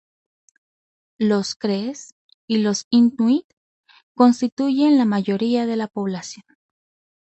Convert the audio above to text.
Los crees y los inuit constituyen la mayoría de la población.